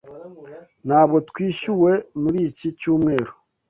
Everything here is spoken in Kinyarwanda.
Ntabwo twishyuwe muri iki cyumweru.